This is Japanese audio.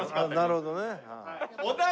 なるほどね。